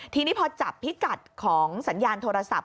ทีนี้พอจับพิกัดของสัญญาณโทรศัพท์